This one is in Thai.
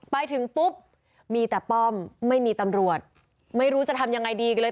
ไปถึงปุ๊บมีแต่ป้อมไม่มีตำรวจไม่รู้จะทำยังไงดีกันเลย